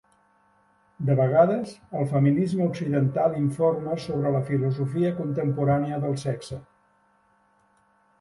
De vegades, el feminisme occidental informa sobre la filosofia contemporània del sexe.